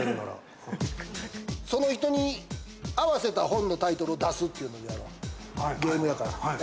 その人に合わせた本のタイトルを出すというのをやろう。